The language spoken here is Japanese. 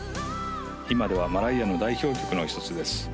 今ではマライアの代表曲の一つです